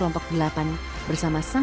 langkah tetap berjalan